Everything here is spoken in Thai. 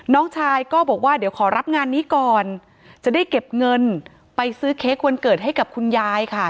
น้องชายก็บอกว่าเดี๋ยวขอรับงานนี้ก่อนจะได้เก็บเงินไปซื้อเค้กวันเกิดให้กับคุณยายค่ะ